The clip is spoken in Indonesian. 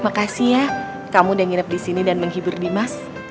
makasih ya kamu udah nginep disini dan menghibur dimas